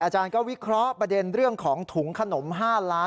อาจารย์ก็วิเคราะห์ประเด็นเรื่องของถุงขนม๕ล้าน